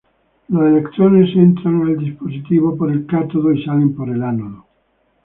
Los electrones entran al dispositivo por el cátodo y salen por el ánodo.